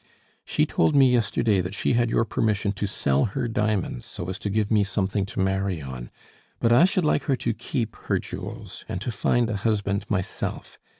"She told me yesterday that she had your permission to sell her diamonds so as to give me something to marry on; but I should like her to keep her jewels, and to find a husband myself.